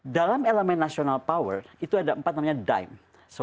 dalam elemen nasional power itu ada empat namanya dime